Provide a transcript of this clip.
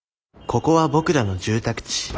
ここは僕らの住宅地。